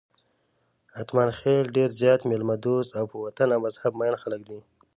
اتمانخېل ډېر زیات میلمه دوست، په وطن او مذهب مېین خلک دي.